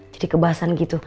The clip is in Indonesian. jadi kebasan gitu